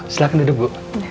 silahkan duduk bu